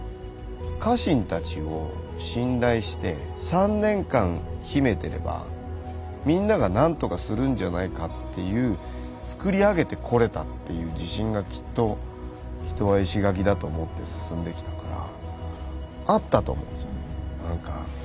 家臣たちを信頼して３年間秘めてればみんながなんとかするんじゃないかっていうつくり上げてこれたっていう自信がきっと人は石垣だと思って進んできたからあったと思うんですよ。